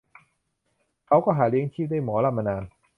เขาก็หาเลี้ยงชีพด้วยหมอลำมานาน